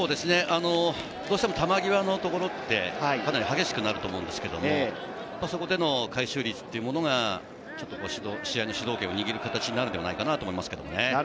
どうしても球際のところってかなり激しくなると思うんですけど、そこでの回収率というのが、ちょっと試合の主導権を握る形になるんではないかなと思います。